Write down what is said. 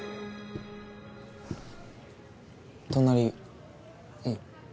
・隣いい？